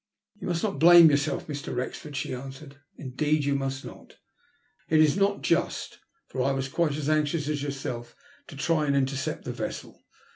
" You must not blame yourself, Mr. Wrexford," she answered. ''Indeed you must not! It is not just, for I was quite as anxious as yourself to try and intercept the vessel.